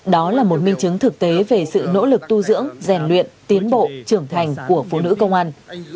đó là một minh chứng thực tế về sự nỗ lực tu dưỡng rèn luyện tiến bộ trưởng thành của phụ nữ công an